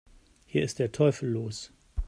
Hier ist der Teufel los!